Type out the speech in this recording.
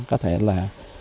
có thể là